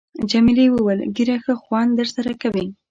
جميلې وويل:، ږیره ښه خوند در سره کوي.